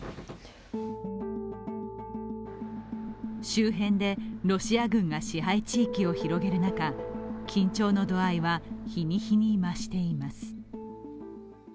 周辺でロシア軍が支配地域を広げる中緊張の度合いは日に日に増しています。